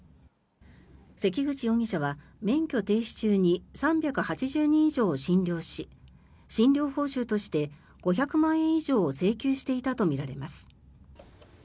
関口容疑者は、免許停止中に３８０人以上を診療し診療報酬として５００万円以上を請求していたとみられます。